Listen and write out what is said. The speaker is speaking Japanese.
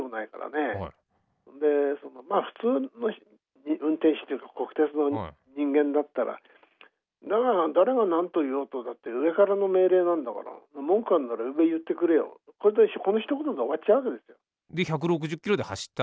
で普通の運転士っていうか国鉄の人間だったら誰がなんと言おうと「だって上からの命令なんだから文句あんなら上言ってくれよ」ってこのひと言で終わっちゃうわけですよ。で１６０キロで走った？